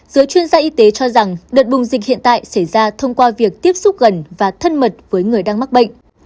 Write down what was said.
giới chuyên gia y tế cho rằng đợt bùng dịch hiện tại xảy ra thông qua việc tiếp xúc gần và thân mật với người đang mắc bệnh